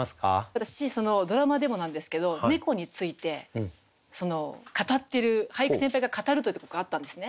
私ドラマでもなんですけど猫について語ってる俳句先輩が語るというところがあったんですね。